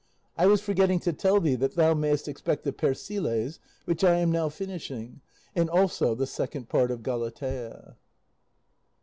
I was forgetting to tell thee that thou mayest expect the "Persiles," which I am now finishing, and also the Second Part of "Galatea."